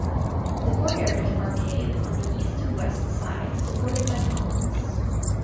The courtyard had arcades on the east and west sides, supported by columns.